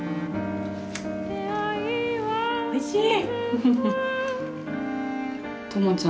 おいしい！